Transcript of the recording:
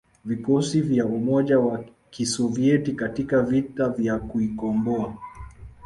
vikosi vya umoja wa Kisoviet katika vita kuikomboa